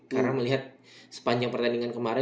karena melihat sepanjang pertandingan kemarin